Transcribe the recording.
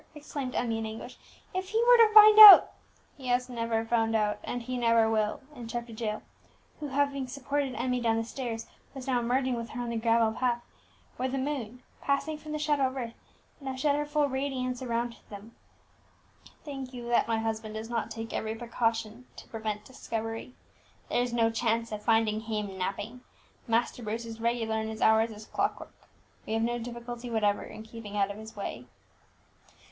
exclaimed Emmie in anguish. "If he were to find out " "He has never found us out, and he never will!" interrupted Jael, who, having supported Emmie down the stairs, was now emerging with her on the gravel path, where the moon, passing from the shadow of earth, now shed her full radiance around them. "Think you that my husband does not take every precaution to prevent discovery? There is no chance of finding him napping. Master Bruce is regular in his hours as clock work; we have no difficulty whatever in keeping out of his way."